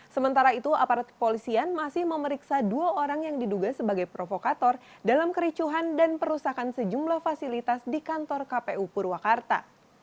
sementara itu aparat kepolisian masih memeriksa dua orang yang diduga sebagai provokator dalam kericuhan dan perusakan sejumlah fasilitas di kantor kpu purwakarta